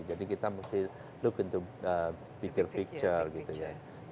jadi kita mesti look into bigger picture gitu ya